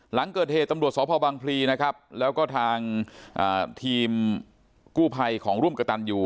หลังเกิดเหตุตำรวจสพบังพลีนะครับแล้วก็ทางทีมกู้ภัยของร่วมกระตันอยู่